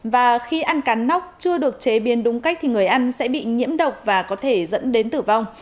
và khi ăn cắn nóc chưa được chế biến đúng cách thì người ăn sẽ bị nhiễm độc và có thể dẫn đến tử vong